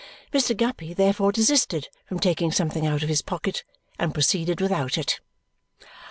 Mr. Guppy therefore desisted from taking something out of his pocket and proceeded without it.